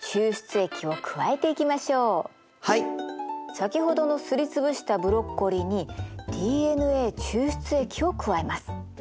先ほどのすりつぶしたブロッコリーにＤＮＡ抽出液を加えます。